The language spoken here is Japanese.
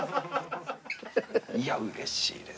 いや嬉しいです。